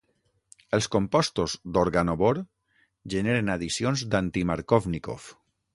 Els compostos d'organobor generen addicions d'anti-Markóvnikov.